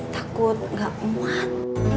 takut gak umat